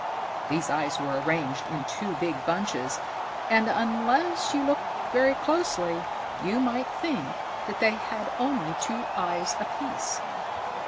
These eyes were arranged in two big bunches, and, unless you looked very closely, you might think that they had only two eyes apiece.